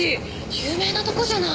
有名なとこじゃない。